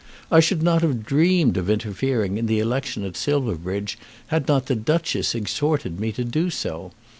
I should not have dreamed of interfering in the election at Silverbridge had not the Duchess exhorted me to do so.